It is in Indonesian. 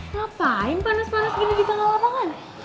ngapain panas panas gini di tengah lapangan